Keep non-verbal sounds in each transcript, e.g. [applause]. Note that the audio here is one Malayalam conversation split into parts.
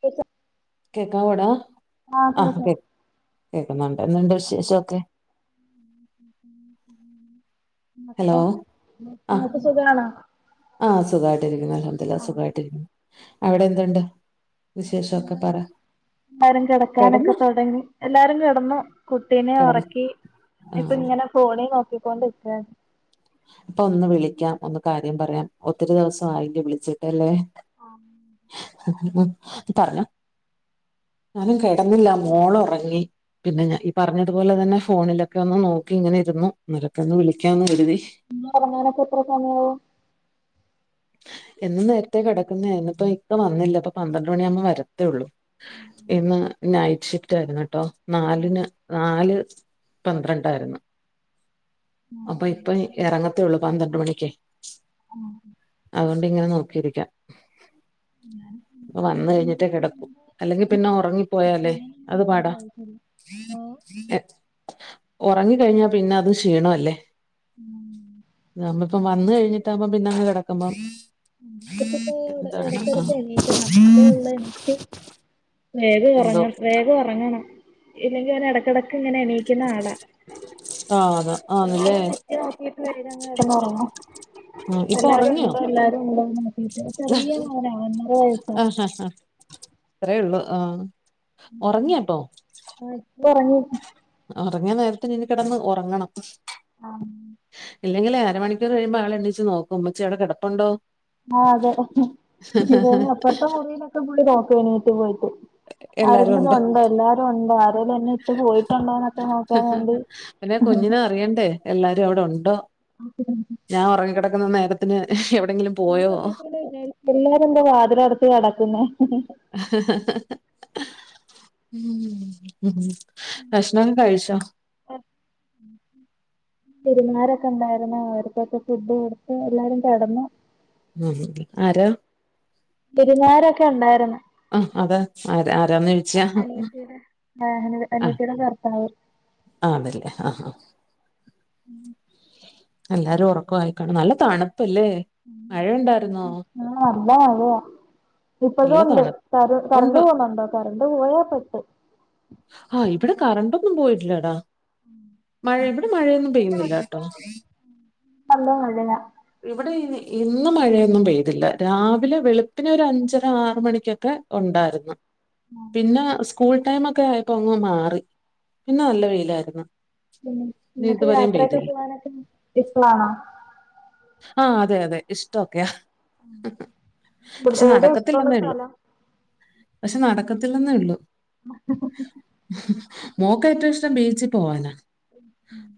പൈസ കേക്കാവോടാ ആഹ് കേക്കാം കേക്കുന്നുണ്ട് എന്തുണ്ട് വിശേഷ ഒക്കെ ഇങ്ങക്ക് ഹലോ നൂ ആഹ് ഇങ്ങക്ക് സുഖാണോ ആഹ് സുഖവായിട്ടിരിക്കുന്നു അൽഹംദുലില്ല സുഖയിട്ടിരിക്കുന്നു അവിടെ എന്തുണ്ട് വിശേഷമൊക്കെ പറ എല്ലാരും കെടക്കാനൊക്കേ കിടന്നോ തൊടങ്ങി എല്ലാരും കെടന്നു കുട്ടിനെ കിടന്നു ഒറക്കി ഇപ്പ ആഹ് ഇങ്ങനെ ഫോണി നോക്കിക്കൊണ്ടിരിക്ക പ്പൊ ഒന്ന് വിളിക്കാം ഒന്ന് കാര്യം പറയാം ഒത്തിരി ദിവസം ആയില്ലേ വിളിച്ചിട്ടല്ലേ ആഹ് പറഞ്ഞൊ ഞാനും കെടന്നില്ല മോളൊറങ്ങി പിന്നെ ഞാ ഈ പറഞ്ഞതുപോലെ തന്നെ ഫോണിലൊക്കെ ഒന്ന് നോക്കി ഇങ്ങനെ ഇരുന്നു [unintelligible] ഒന്ന് വിളിക്കാന്ന് കരുതി പിന്ന ഒറങ്ങാനൊക്കെ എത്ര സമയാവും എന്നും നേരത്തെ കെടക്കുന്നേ ഇന്നിപ്പോ ഇക്ക വന്നില്ല ഇപ്പ പന്ത്രണ്ട് മണിയാമ്പോ വരത്തേ ഒള്ളൂ ഇന്ന് നൈറ്റ് ഷിഫ്റ്റ് ആരുന്നുട്ടോ നാലിന് നാല് പന്ത്രണ്ടാരുന്നു അപ്പൊ ഇപ്പ എറങ്ങത്തേ ഒള്ളൂ പന്ത്രണ്ട് മണിക്യയ് ആഹ് അതൊണ്ട് ഇങ്ങനെ നോക്കിരിക്കാം അപ്പൊ വന്ന് കഴിഞ്ഞിട്ടേ കെടക്കു അല്ലെങ്കി പിന്നെ ഒറങ്ങിപ്പോയാലേ അത് പാടാ ഒറങ്ങി കഴിഞ്ഞാ പിന്നെ അത്ക്ഷീണ അല്ലേ ഞമ്മപ്പം വന്ന് കഴിഞ്ഞിട്ടാവുബം പിന്നങ്ങ് കെടക്കുമ്പം ഇപ്പച്ചിപ്പോ എട എടക് എടക് എണീറ്റ് നടന്നതേ ഒള്ള എനിക്ക് വേഗം എന്തോ ഒറങ്ങണം വേഗം ഒറങ്ങണം ഇല്ലെങ്കി ഓൻ എടെക്കടക്ക് ഇങ്ങനെ എണീക്ക്ന്ന ആളാ ആഹ് അതെ എല്ലാരും ഒന്ന് എത്തി നോക്കിട്ട് വേഗം അങ്ങ് കെടന്നൊറങ്ങും ഇപ്പൊ ഉറങ്ങിയോ എല്ലാരുംണ്ടോ എല്ലാരുംണ്ടോ നോക്കീട്ട് ചെറിയ്യ മോനാ ഒന്നര വയസ്സാ ആഹ് ഹാ ഹ ഇത്രയൊള്ളൂ ആഹ് ഒറങ്ങിയപ്പോ ആഹ് ഇപ്പൊറങ്ങി ഒറങ്ങേനേരത്ത് ഇഞ് ഞ് കെടന്ന് ഒറങ്ങണം ആഹ് ഇല്ലെങ്കിൽ അര മണിക്കൂർ കഴിയുമ്പോ ആളെണീച്ച് നോക്കും മ്മച്ചി അവടെ കെടപ്പുണ്ടോ ആഹ് അതെ അപ്പറത്തെ മുറീലൊക്കെ പോയി നോക്കും എണീറ്റ് പോയിട്ട് എല്ലാരും ആരെങ്കിലും ഉണ്ട് ഉണ്ടോ എല്ലാരും ഉണ്ടോ ആരെലും എന്നെ ഇട്ട് പോയിട്ടുണ്ടോ ന്നൊക്കെ നോക്കാ വേണ്ടി പിന്നെ കുഞ്ഞിന് അറിയേണ്ടേ എല്ലാരും അവടെ ഉണ്ടോ [unintelligible] ഞാ ഒറങ്ങികെടക്ക്ന്ന നേരത്തിന് എവിടെങ്കിലും പോയോ [unintelligible] എല്ലാരും എന്താ വാതിലടച്ച് കെടക്കുന്നേ ഹ ഹ ഉം ഭക്ഷണഒക്കകഴിച്ചൊ [inaudible] വിരുന്നാരൊക്കെ ഇണ്ടാരുന്നു അവർക്കൊക്കെ ഫുഡ് കൊടുത്ത് എല്ലാരും കെടന്നു ഉം ആരോ വിരുന്നാരൊക്കെ ഉണ്ടായിരു. ആ അതെ ആ ആരാന്ന് ചോയ്ച്യ ആഹാ അനിയത്തിയുടെ ഭർത്താവ്. ആ അതല്ലേ ആ ആ ഉം എല്ലാരും ഉറക്ക ആയിക്കണ നല്ല തണുപ്പല്ലേ മഴയ ഉണ്ടായിരു [unintelligible] നല്ല മഴയ ഇപ്പോഴും നല്ല ഉണ്ട് തണുപ്പ് ക കറണ്ട് പോുന്നുണ്ടോ കറണ്ട് പോയാൽ പെട്ടു ആഹ് ഇവിടെ കറന്റോന്നും പോയിട്ടില്ല എടാ മഴ ഇവിടെ മഴയൊന്നും പെയ്യുന്നില്ല കേട്ടോ സംഭവം മഴയാ ഇവിടെ ഇന്ന് മഴയൊന്നും പെയ്തില്ല രാവിലെ വെളുപ്പിന ഒരു അഞ്ചര ആറ് മണിക്കൊക്കെ ഉണ്ടായിരുന്നു. പിന്നെ സ്കൂൾ ടൈമ് ഒക്കെ ആയപ്പോ അങ്ങ് മാറി പിന്നെ നല്ല വെയിലായിരുന്നു. ഉം ഇനി നിങ്ങക്ക് ഇതുവരെയും യാത്രയൊക്കെ പെയ്തില്ല. ചെയ്യാനൊക്കെ ഇഷ്ടാണോ? ആഹ് അതെ അതെ ഇഷ്ടൊക്കെയാ പക്ഷെ എവിടെയാ ഇഷ്ടമുള്ള നടക്കത്തില്ലെന്നേ ള്ളു സ്ഥലം പക്ഷെ നടക്കത്തില്ലന്നോള്ളു. മോക്ക് ഏറ്റവും ഇഷ്ടം ബീച്ചിൽ പോവാനാ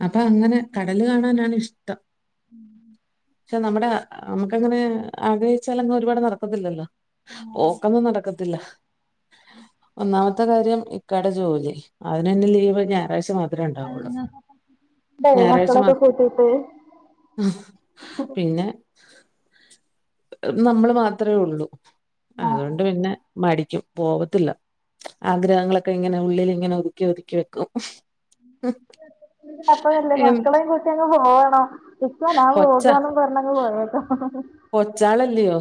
അപ്പൊ അങ്ങനെ കടല് കാണാനാണ് ഇഷ്ടം. ഉം പക്ഷെ നമ്മുടെ നമുക്ക് അങ്ങനെ ആഗ്രഹിച്ചാല് അങ്ങ് ഒരുപാട് നടക്കത്തില്ലല്ലോ? പോക്കന്നും നടക്കത്തില്ല ഒന്നാമത്തെ കാര്യം ഇക്കടെ ജോലി. അതിന് തന്നെ ലീവ് ഞായറഴ്ച മാത്രേ ഉണ്ടാവുള്ളൂ. പോവ മക്കളൊക്കെ കൂട്ടീട്ട്. ആ പിന്നെ നമ്മൾ മാത്രമേ ഉള്ളൂ അതുകൊണ്ട് പിന്നെ മടിക്കും. പോവത്തില്ല ആഗ്രഹങ്ങളൊക്കെ ഇങ്ങനെ ഉള്ളിൽ ഇങ്ങനെ ഒതുക്കി ഒതുക്കി വെക്കും. ഉം. പ്പല്ലേ മക്കളും കുട്ടി അങ്ങ് പോകണം ഇപ്പ ഞാൻ കൊച്ച പോക പറഞ്ഞങ് പോയേക. കൊച്ചാളല്ലയോ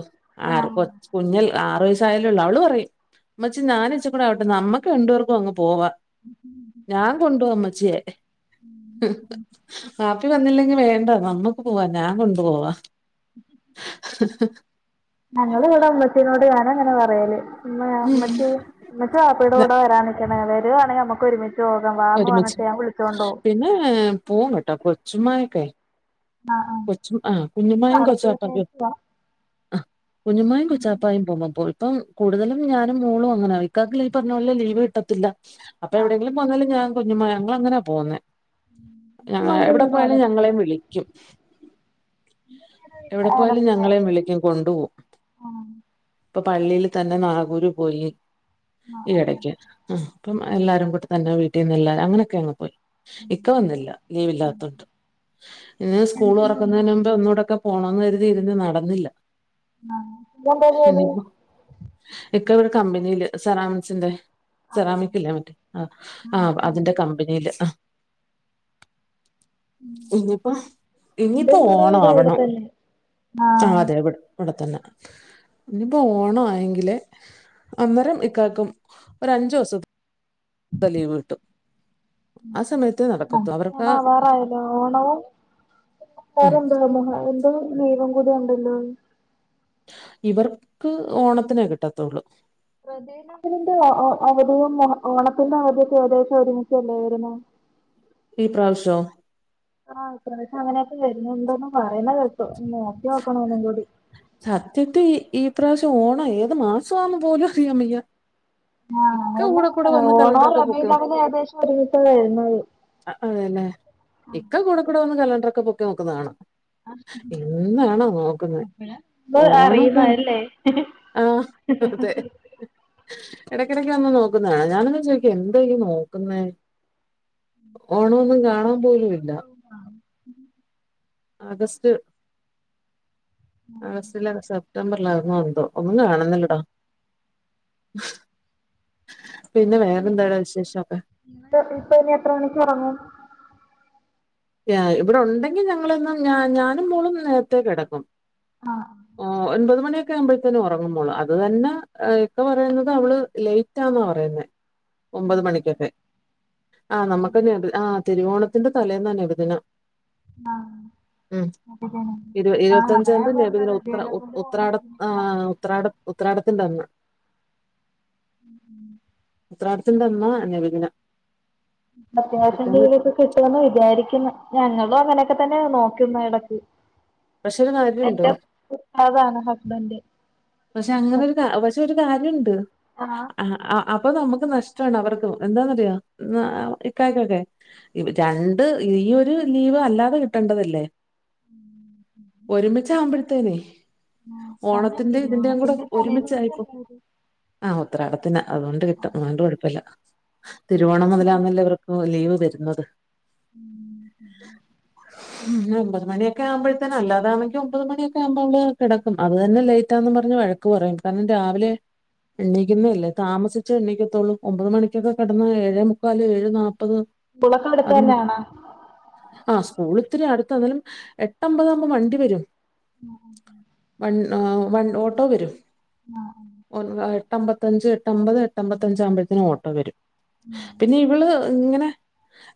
ആറ് കൊ കുഞ്ഞല്ലേ ആറു വയസ്സയോള് അവള് പറയും മ്മച്ചി ഞാനൻെച്ച കൂടെ ആവട്ടെ നമ്മക്ക് രണ്ടോർക്കും അങ്ങ് പോവാ ഞാൻ കൊണ്ടോവമ്മച്ചിയെ. വാപ്പി വന്നില്ലെങ്കി വേണ്ട നമ്മുക്ക് പോവാ ഞാൻ കൊണ്ടു പോവാ. [inaudible] [inaudible] ഞങ്ങ ഇവിടെ ഉമ്മച്ചീനോട് ഞാനൻ അങ്ങനെ പറയാല് ഇമ്മാ ഉം. ഉമ്മച്ചി. മ്മച്ചി വാപ്പീടെ ന- കൂടെ വരാന നിക്കണേ വരുകവാണെങ്കിൽ നമുക്ക് ഒരുമിച്ച് പോകാ വാ ഒരുമിച്ച് പിന്നെ പൂവും കേട്ടോ കൊച്ചുമമായക്കായി. കൊച്ചു ആ കുഞ്ഞുമായയും കൊച്ചാട്ടം ആലപ്പുഴക്കാരിയാ ആ കുഞ്ഞുമായും കൊച്ചാട്ടം [unintelligible] ഇപ്പം കൂടുതലും ഞാനും മോളും അങ്ങനെ ഇക്കാക്ക് പറഞ്ഞ പോലെ ലീവ് കിട്ടത്തില്ല. അപ്പൊ എവിടെെങ്കിലുംപോന്നാ ഞാ കുഞ്ഞുമ്മയും ഞങ്ങൾങ്ങന പോന്നേ. ഞ ഉമ്മാന്റെ എവിടെ വീട് പോയാലും ആലപ്പുഴയാ ഞങ്ങളെയും വിളിക്കും എവിടെ പോയാലും ആലപ്പുഴ ഞങ്ങളെയും വിളിക്കും കൊണ്ട പോവും. ആഹ് ഇപ്പൊ പള്ളിയിയില് തന്നെ നാഗൂര് പോയി ഈ ആഹ് ആഹ് ഇടക്ക്. ആഹ് അപ്പം എല്ലാരും കൂടെ തന്നെ വീട്ടീന്ന് എല്ലാരും അങ്ങനൊക്ക അങ്ങ് പോയി ഇക്ക വന്നില്ല ലീവ് ആഹ് ഇല്ലാത്തോണ്ട് ന്നാ സ്കൂള് എന്താ ജോലി തൊറക്കുന്നേ മ്പം ഒന്നുകടൊക്കെ പോണംന്ന് കരുതിയിരുന്ന് നടന്നില്ല എന്താ ഇക്ക ഇവിടെ കമ്പനിയില് സറാമിസിന്റെ സെറാമിക്കില്ലേ മറ്റേ ആഹ് ആഹ് ജോലി അതിന്റെ ക മ്പനിയില് ആവ് ഇനിപ്പം എന്റെ ഇഞ്ഞ്പ്പോ ഉമ്മാടെ ഓണം വീട് അവിടെ ആവണം തന്നെ ആഹ് അതെ ഇവ് ഇവിടെത്തന്നെ ഇഞ്ഞ്പ്പോ ഓണം ആയെങ്കിലേ അന്നേരം ഇക്കാക്കും ഒരഞ്ചൂസൊ ക്കെ ലീവ്ട്ടും ആ സമയത്ത് നടക്കത്തു അവർക്ക് ഉം [unintelligible] അയിന്റെ ലീവും കൂടെ ഉണ്ടല്ലോ ഇവർക്ക് ഓണത്തിനേ കിട്ടത്തൊള്ളൂ റബീഹ് ദിനന്റെ അവധിയും ഓണത്തിന്റെ അവധിയൊക്കെ ഏകദേശം ഒരുമിച്ചല്ലേ വര്ന്നേ ഈ പ്രാവശ്യോ ആഹ് ഇപ്രാവശ്യം അങ്ങനെയൊക്കെ വരുന്നുണ്ടോന്ന് പറയുന്ന കേട്ടു നോക്കിയോക്കണം ഒന്നും കൂടി സത്യത്തി ഈ പ്രാവശ്യം ഓണം ഏത് മാസവാന്ന് പോലും അറിയാൻ വയ്യ ഇക്ക ഓണോ കൂടെ കൂടെ വന്ന് ഓണോ കലണ്ടറൊക്കെ പൊക്കി റബിഉൽ അവ്വൽ ഏകദേശം ഒരീസ വര്ന്നത് അതേലെ ഇക്ക കൂടെ കൂടെ വന്ന് കലണ്ടർ ഒക്കെ പൊക്കി നോക്കുന്നെ കാണ ആഹ് അപ്പഴാ ഇത് ഓണൊക്കെ അറിയുന്നത് ലേ എടക്കിടക്ക് വന്ന് നോക്കുന്നാ ഞാനൊന്ന് ചോയ്ക്കും എന്താ ഈ നോക്കുന്നേ ഓണോന്നും കാണാൻ പോലുല്ല ആഗസ്റ്റ് ആഗസ്റ്റിലാ സെപ് റ്റംബർലാണോ എന്തോ ഒന്നും കാണുന്നില്ലട്ടോ പിന്നെ വേറെന്താടാ വിശേഷൊക്കെ പ്പൊ ഇപ്പെ ഇനി എത്ര മണിക്ക് ഒറങ്ങും ഇവിടെ ഉണ്ടെങ്കി ഞങ്ങള് എന്നും ഞാ ഞാനും മോളും നേരത്തേ കെടക്കും ആഹ് ഓഹ് ഒൻപത് മണിയൊ ട്ടര ആവുമ്പോഴത്തേന് ഒറങ്ങും മോള് അത് തന്നെ ഒക്കെ പറയുന്നത് അവള് ലൈറ്റാന്ന പറയുന്നെ ഒമ്പത് മണിക്കൊക്കെ ആ നമക്കെന്നെ ഇത് ആ തിരുവോണത്തിന്റെ തലേന്ന നബിദിനം ആഹ് ഉം ഇരു ഞാൻ ഇരുപത്തഞ്ചാതി പറഞ്ഞെ നബിദിനം റബീഉൽ ഉ അവ്വലും ഓണവും ഉത്രാടം ഒരുമിച്ചാ ആഹ് ഉത്രാടം ഉത്രാടത്തിന്റെ അന്ന് ഉം ഉത്രാടത്തിൻ്റന്ന് നബിദിനം അത്യാവശ്യം പിറ്റേന്ന് രീതികൊക്കെ കിട്ടുമെന്ന് വിചാരിക്കുന്ന ഞങ്ങളും അങ്ങനെയൊക്കെ തന്നെ നോക്കുന്ന എടക്ക് പക്ഷെ ഒരു കാര്യമുണ്ട് എന്റെ ഉസ്താദാണ് ഹസ്ബൻഡ് പക്ഷെ അങ്ങനെ ഒരു കാ പക്ഷെ ഒരു കാര്യണ്ട് ആഹ് ആഹ് അ അപ്പൊ നമുക്ക് നഷ്ടാണ് അവർക്കും എന്താന്നറിയോ ഇക്കായക്കൊക്കെ രണ്ട് ഈ ഒരു ലീവ് അല്ലാതെ കിട്ടണ്ടതല്ലേ ഒരുമിച്ച ആവുമ്പോഴത്തേനെ ആഹ് കാരണം ഓണത്തിന്റെ ഇതിന്റെയും കൂടെ തിരുവോണത്തിന്റെ തലേ ഒരുമിച്ചായപ്പോ ദിവസല്ലേ ആഹ് ഉത്രാടത്തിന്റെ അതുകൊണ്ട് കിട്ടും അതുകൊണ്ട് കൊഴപ്പല്ല തിരുവോണം മുതലാന്നല്ലേ ഇവർക്ക് ലീവ് വരുന്നത് ഉം ഒമ്പത് മണിയൊക്കെ ആവുമ്പോഴത്തേന് അല്ലാതാണെങ്കി ഒമ്പത് മണിയൊക്കെ ആകുമ്പള് കിടക്കും അത് തന്നെ ലെയ് ലേറ്റാവും ന്ന് പറഞ് വഴക്ക് പറയും കാരണം രാവിലെ എഴുന്നേൽക്കുന്നെഅല്ലേ താമസ് ച്ചേ എണീക്കത്തൊള്ളൂ ഒമ്പത് മണിക്കൊക്കെ കെട്ന്ന ഏഴേ മു ക്കാല് ഏഴ് നാല്പ്പത് സ്കൂളൊക്കെ അടുത്ത് അത് തന്നെയാണോ ആ സ്കൂള് ത്തിരി അടുത്ത ന്നലും എട്ടമ്പതാകുമ്പോ വണ്ടി വരും. ഉം വൺ ആ വൺ ഓട്ടോ വരും. ആഹ് ഒൻ എട്ടമ്പത്തഞ്ച് എട്ടമ്പത് എട്ടമ്പത്തഞ്ച് ആകുമ്പഴത്ത്ന് ഓട്ടോ വരും. പിന്നെ ഇവള് ഇങ്ങനെ.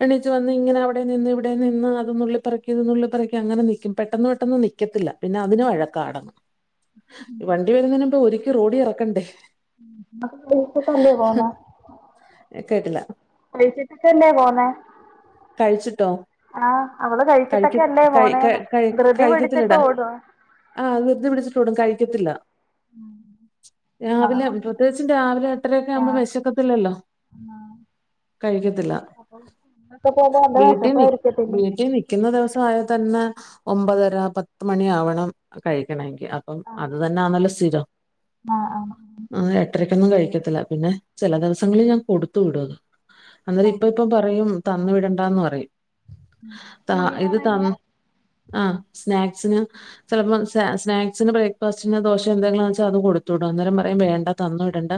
എണീച്ച് വന്ന് ഇങ്ങനെ അവിടെ നിന്ന് ഇവിടെ നിന്ന് അത് നുള്ളി പെറുക്കി ഇത് നുള്ളി പെറുക്കി അങ്ങനെ നിക്കും. പെട്ടന്ന് പെട്ടെന്ന് നിക് നിക്കത്തില്ല പിന്നെ അതിന് വഴക്കാണ് ഈ വണ്ടി വരുന്നതിനു മുമ്പൊ ഒരുക്കി റോഡി ഇറക്കണ്ടേ. [unintelligible] ഹ് കേട്ട്ല്ല. കഴിച്ചിട്ട് തന്നെ പോന്നെ. കഴിച്ചിട്ടോ അവള് കഴിക് കഴിച്ചിട്ടൊക്കെ അല്ലേ കഴി ക പോണേന്ന് കഴി ധൃതി പിടിച്ചിട്ട് കഴിക്കത്തില്ലെടാ. ഓടുവാ ആ ധൃതി പിടിച്ചിട്ട് ഓടും കഴിക്കത്തില്ല. ഉം രാവിലെ പ്രത്യേകിച്ചും രാവിലെ എട്ടര ഒക്കെ ആമ്പോ വിശക്കത്തില്ലല്ലോ. ആഹ് കഴിക്കത്തില്ല. ഒക്കെ പോവുമ്പോ നല്ല വെശപ്പായ്രിക്കത്തില്ലേ ക്ക്യന്ന ദിവസ ആയാൽ തന്നെ ഒമ്പതര പത്ത് മണി ആവണം കഴിക്കണങ്കി അ അപ്പം ആഹ് അത് തന്നെ ആന്നല്ലൊ സ്ഥിരം ആഹ് ആഹ് അന്ന് ഏട്ടരക്ക് ഒന്നും കഴിക്കത്തില്ല പിന്നെ ചെല ദിവസങ്ങളിൽ ഞാൻ കൊടുത്തു വിടും അത് അന്നേരം ഇപ്പ പ്പ പറയും തന്ന് വിടണ്ടാന്ന് പറയും ത സ്കൂളീന്ന് ഇത് പറയുന്നേ തന്ന് ആ സ്നാക്സ് ഞാൻ ചെൽപ്പം സ്നേ സ്നേക് സ്ന് ബ്രേക്ക്ഫാസ്റ്റിന് ദോശ എന്തെങ്കിലും ആൺച്ചാ അതും കൊട്ത്ത് വിടും അന്നേരം പറയും വേണ്ട തന്നു വിടണ്ട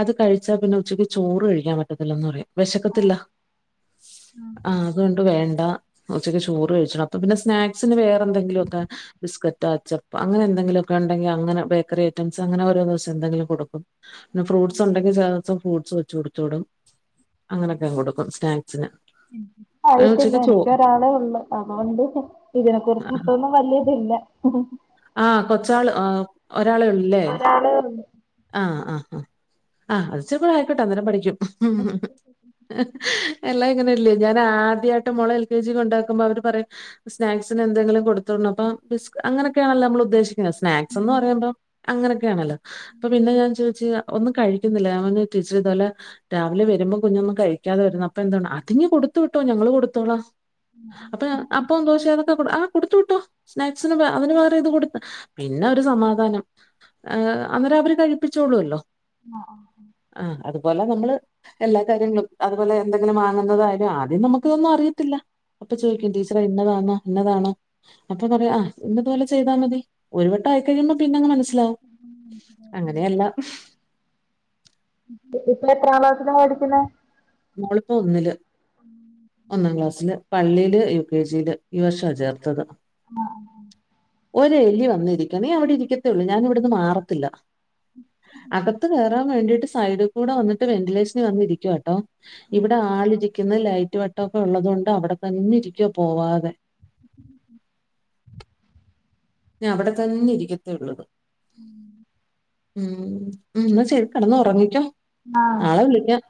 അത് കഴിച്ചാ പിന്നെ ഉച്ചക്ക് ചോറ് കഴിക്കാൻ പറ്റത്തില്ലന്ന് പറയും. വിശക്കത്തില്ല, ആ അതുകൊണ്ട് വേണ്ട. ഉച്ചക്ക് ചോറ് കഴിച്ചണം, അപ്പൊ പിന്നെ സ്നാക്സിന് വേറെ എന്തെങ്കിലുമൊക്കെ ബിസ്ക്കറ്റാ, അച്ചപ്പ അങ്ങനെന്തെങ്കിലുമൊക്കെണ്ടെങ്കി അങ്ങനെ ബേക്കറി ഐറ്റംസ് അങ്ങന ഓരോ ദിവസം എന്തെിലും കൊടുക്കും. പിന്നെ ഫ്രൂട്ട്സ് ഉണ്ടെങ്കിൽ ചെല ദിവസം ഫ്രൂട്ട്സ് വെച്ചു കൊടുത്ത് വിടും. ക്ക കൊടുക്കും സ്നാക്സ്ന് ഉം ആയിട്ടില്ല, എനിക്ക് ഒരാളെ ഉള്ളു അതുകൊണ്ട് ഇതിനെ കുറച്ച് ഇപ്പോഴൊന്നും വല്യ തില്ല. ഉം ഹും ആ കൊച്ചാള് ആ ഒരാളെ ഒള്ള് ല്ലേ. ഒരാളേ ഉള്ളൂ ആ ആ ആ ആ അത് ഇച്ചിരിക്കൂടെ ആയിക്കോട്ടെ അന്നേരം പഠിക്കും. എല്ലാം ഇങ്ങനെ അല്ലേ ഞാന് ആദ്യയിട്ട് മോളെ എൽ കെ ജി കൊണ്ടാക്കുമ്പോ അവര് പറയും. സ്നാക്സിന് എന്തെങ്കിലും കൊടുത്ത് വിടണം അപ്പൊ ബിസ്ക് അങ്ങനൊക്കെണല്ലോ മ്മള് ഉദ്ദേശിക്ക്ണത് സ്നാക്സ് എന്ന് പറയുമ്പോം.. അങ്ങനെക്കെ ആണല്ലോ. അപ്പൊ പിന്നെ ഞാൻ ചോയ്ച്ച് ഒന്നും കഴിക്കുന്നില്ല. ഞാൻ പർഞ്ഞു ടീച്ചർ ഇതോലെ രാവിലെ വരുമ്പോം കുഞ്ഞൊന്നും കഴിക്കാതെ വരുന്നു. അപ്പൊ എന്താണ് അതിങ്ങ് കൊടുത്തു വിട്ടോ ഞങ്ങള് കൊടുത്തോളാ അപ്പൊ ഞ്ഞം അപ്പോം ദോശയാണ്. ആ കൊടുത്തു വിട്ടോ സ്നാക്സിന് അതിന് പകരം ഇത് കൊടുത്ത് പിന്നെ ഒരു സമാധാനം. ഏ അന്നേരം അവര് കഴിപ്പിച്ചോളൂ അല്ലോ. ആഹ് ആ ആഹ് അതുപോലെ നമ്മള്. എല്ലാ കാര്യങ്ങളും അതുപോലെ എന്തെങ്കിലും വാങ്ങുന്നതായാലും ആദ്യം നമുക്ക് ഇതൊന്നും അറിയത്തില്ല. അപ്പൊ ചോദിക്കും ടീച്ചറെ ഇന്നതാണാ ഇന്നതാണോ. അപ്പൊ പറയും ഇന്നതുപോലെ ചെയ്താ മതി. ഒരു വട്ടംആയി കഴിയുമ്പോ പിന്നങ്ങ് മനസ്സിലാവും. അങ്ങനെയല്ല ഇപ്പം എത്രാം ക്ലാസിലാ പടിക്കുന്ന. ഇവളിപ്പ ഒന്നില്. ഒന്നാം ക്ലാസ്സില് പള്ളില് യു കെ ജി ല് ഈ വർഷ ചേർത്തത് ആഹ് ആഹ് ആഹ് ഒരെ എലി വന്നിരിക്ക നീ അവിടെ ഇരിക്കത്തേള്ളൂ ഞാനിവിടെന്ന് മാറത്തില്ല അകത്ത് കെറാൻ വേണ്ടിട്ട് സൈഡി കൂടെ വന്നിട്ട് വെന്റിലേഷനി വന്ന് ഇരിക്കുവാട്ടോ ഇവിടെ ആളിരിക്കുന്ന ലൈറ്റ് വെട്ടൊക്കെ ഉള്ളതുകൊണ്ട് അവിടെ തന്നെ ഇരിക്കുവ പോവാതെ ഞ അവിടെ തന്നെ ഇരിക്കത്തുള്ളുത് ഉം ഉം ഉം എന്ന ശെരി കെടന്ന് ഒറങ്ങിക്കോ ആഹ് നാളെ വിളിക്കാം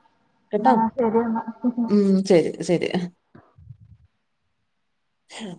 കേട്ടോ ആഹ് ശരിയെന്നാ ഉം ശരി ശരിയ ആഹ്